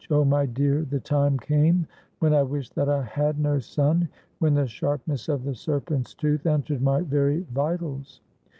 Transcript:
Oh, my dear, the time came when I wished that I had no son, when the sharpness of the serpent's tooth entered my very vitals.